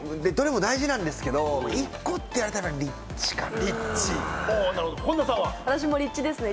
どれも大事なんですけど、１個って言われたら立地かな。